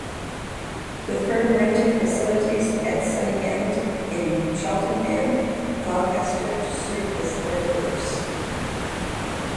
The firm rented facilities at Sunningend in Cheltenham, Gloucestershire to serve as their works.